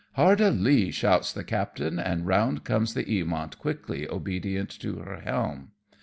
''" Hard a lee," shouts the captain, and round comes the Eamont, quickly obedient to her helm.